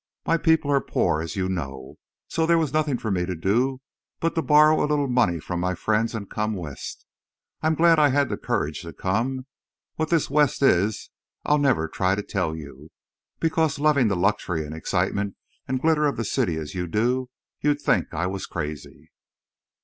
My people are poor, as you know. So there was nothing for me to do but to borrow a little money from my friends and to come West. I'm glad I had the courage to come. What this West is I'll never try to tell you, because, loving the luxury and excitement and glitter of the city as you do, you'd think I was crazy.